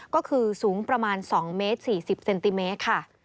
ก็คือสูงประมาณ๒เมตร๔๐เซนติเมตรค่ะ